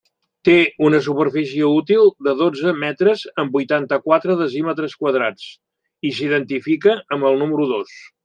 Té una superfície útil de dotze metres amb vuitanta-quatre decímetres quadrats i s'identifica amb el Número Dos.